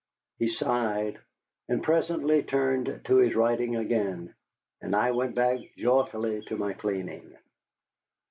He sighed, and presently turned to his writing again, and I went back joyfully to my cleaning.